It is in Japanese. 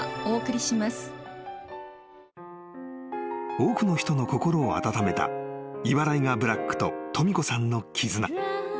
［多くの人の心を温めたイバライガーブラックととみ子さんの絆］